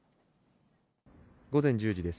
午前１０時です。